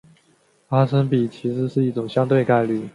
发生比其实是一种相对概率。